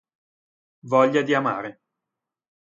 Voglia di amare